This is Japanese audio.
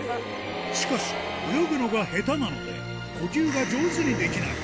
しかし、泳ぐのが下手なので、呼吸が上手にできない。